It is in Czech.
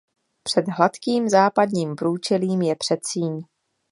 Před hladkým západním průčelím je předsíň.